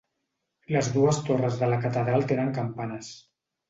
Les dues torres de la Catedral tenen campanes.